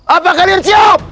apakah kalian siap